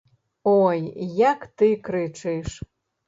Ой, як ты крычыш!